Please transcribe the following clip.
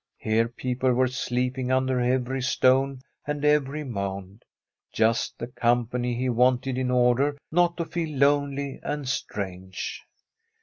Here people were sleeping under every stone and every mound; just the company he wanted in order not to feel lonely and strange.